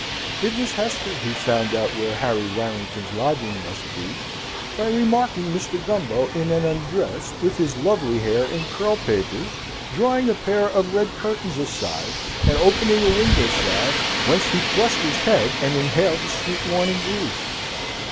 It was Hester who found out where Harry Warrington's lodging must be, by remarking Mr. Gumbo in an undress, with his lovely hair in curl papers, drawing a pair of red curtains aside, and opening a window sash, whence he thrust his head and inhaled the sweet morning breeze.